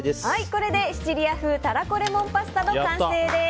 これでシチリア風タラコレモンパスタの完成です。